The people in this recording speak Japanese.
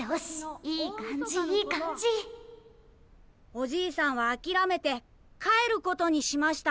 「おじいさんは諦めて帰ることにしました」。